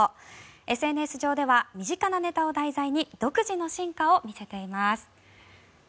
ＳＮＳ上では身近なネタを題材に独自の進化を見せています。